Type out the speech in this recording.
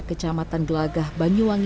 ke serono banyuangi